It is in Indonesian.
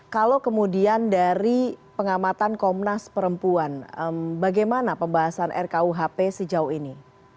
kalau kemudian dari pengamatan komnas perempuan bagaimana pembahasan rkuhp sejauh ini